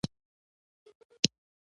• د مطالعې مینه، د ذهن لوړه درجه ده.